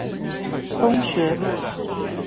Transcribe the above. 公學路